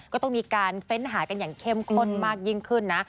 ก็ต้องมีการเฟ้นหากันอย่างเข้มข้นมากยิ่งขึ้นนะ